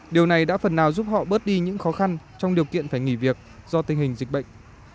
điều này đã phần nào giúp họ bớt đi những khó khăn trong điều kiện phải nghỉ việc do tình hình dịch bệnh